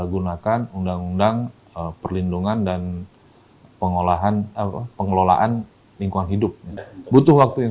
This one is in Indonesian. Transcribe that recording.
gunakan undang undang perlindungan dan pengelolaan apa pengelolaan lingkungan hidup butuh waktu yang